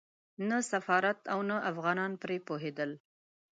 نه سفارت او نه افغانان پرې پوهېدل.